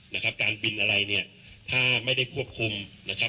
นะครับการบินอะไรเนี่ยถ้าไม่ได้ควบคุมนะครับ